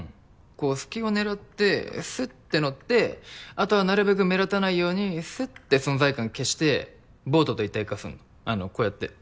こう隙を狙ってすって乗って後はなるべく目立たないようにすって存在感消してボートと一体化すんのあのこうやって。